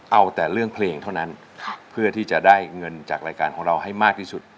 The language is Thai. เอาแต่เรื่องเพลงเท่านั้นเพื่อที่จะได้เงินจากรายการของเราให้มากที่สุด